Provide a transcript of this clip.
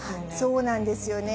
そうなんですよね。